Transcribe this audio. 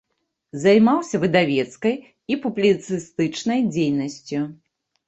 Займаўся выдавецкай і публіцыстычнай дзейнасцю.